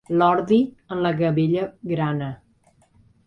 L'ordi en la gavella grana.